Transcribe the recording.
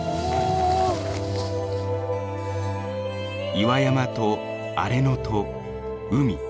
岩山と荒れ野と海。